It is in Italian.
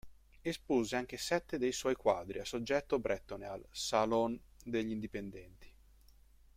Espose anche sette dei suoi quadri a soggetto bretone al "Salon" degli indipendenti.